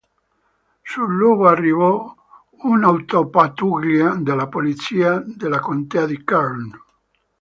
Sul luogo arrivò un'autopattuglia della polizia della contea di Kern.